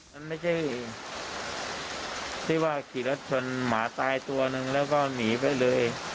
มันไม่ใช่ที่ว่าขี่รถชนหมาตายตัวนึงแล้วก็หนีไปเลย